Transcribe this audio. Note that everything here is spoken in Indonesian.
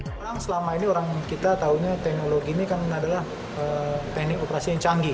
sekarang selama ini orang kita tahunya teknologi ini kan adalah teknik operasi yang canggih